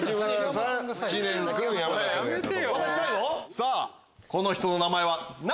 さぁこの人の名前は何？